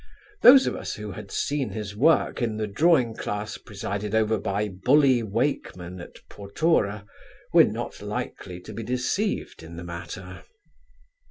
Those of us who had seen his work in the drawing class presided over by 'Bully' Wakeman at Portora were not likely to be deceived in the matter....